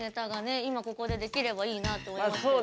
今ここで出来ればいいなと思いますけどね。